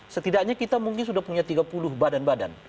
setidaknya kita mungkin sudah punya tiga puluh badan badan